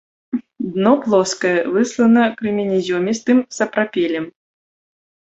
Дно плоскае, выслана крэменязёмістым сапрапелем.